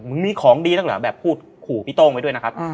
มึงมีของดีแล้วเหรอแบบพูดขู่พี่โต่งไปด้วยนะครับอืม